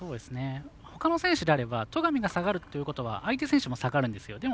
ほかの選手であれば戸上が下がるということは相手選手も下がるんですよ。